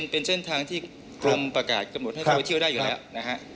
เป็นเส้นทางที่กลมประกาศให้เข้าไปเที่ยวได้อยู่แล้ว